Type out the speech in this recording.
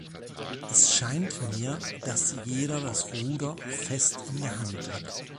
Es scheint mir, dass jeder das Ruder fest in der Hand hat.